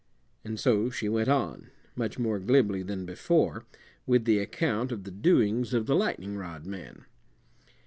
And so she went on, much more glibly than before, with the account of the doings of the lightning rod man.